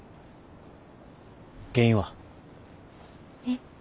原因は？え？